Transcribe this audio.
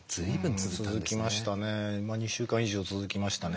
続きましたね。